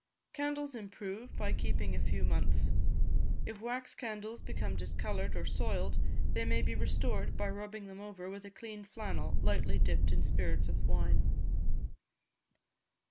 Candles improve by keeping a few months. If wax candles become discoloured or soiled, they may be restored by rubbing them over with a clean flannel slightly dipped in spirits of wine.